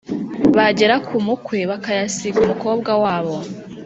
bagera ku mukwe bakayasiga umukobwa wabo